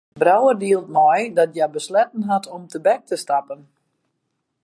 Brouwer dielt mei dat hja besletten hat om tebek te stappen.